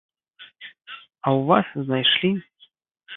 А ў вас знайшлі.